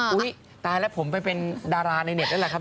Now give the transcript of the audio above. อุ๊ยตายแล้วผมไปเป็นดาราในเน็ตแล้วหรือครับ